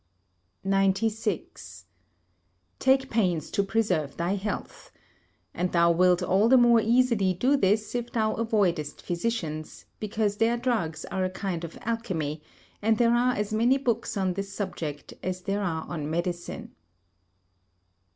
96. Take pains to preserve thy health; and thou wilt all the more easily do this if thou avoidest physicians, because their drugs are a kind of alchemy, and there are as many books on this subject as there are on medicine.